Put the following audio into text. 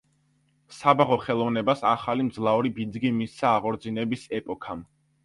საბაღო ხელოვნებას ახალი მძლავრი ბიძგი მისცა აღორძინების ეპოქამ.